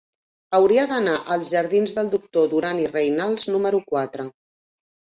Hauria d'anar als jardins del Doctor Duran i Reynals número quatre.